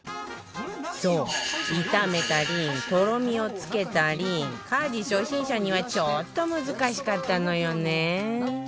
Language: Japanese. そう炒めたりとろみをつけたり家事初心者にはちょっと難しかったのよね